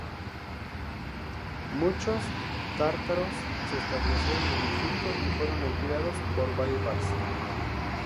Muchos tártaros se establecieron en Egipto y fueron empleados por Baibars.